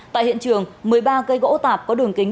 tại hiện trường một mươi ba cây gỗ tạp có đường kính